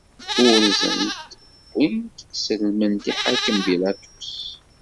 Urzen-t, wwin-t, sellmen-t i lḥakem Bilaṭus.